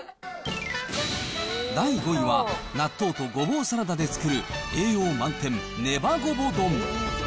第５位は納豆とごぼうサラダで作る、栄養満点、ねばごぼ丼。